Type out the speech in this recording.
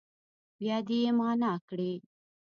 بیا دې يې معنا کړي.